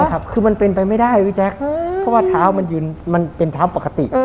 ครับคือมันเป็นไปไม่ได้พี่แจ๊กเพราะว่าเท้าเป็นเท้าปกติ